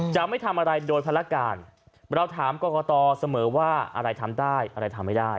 จะไม่ทำอะไรโดยภารการเราถามกรกตเสมอว่าอะไรทำได้อะไรทำไม่ได้